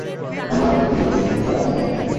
আমার বিয়ের দিন তো আপনাকেই ডাকবো।